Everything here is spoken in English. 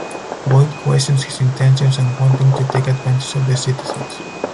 Boyd questions his intentions and wanting to take advantage of the citizens.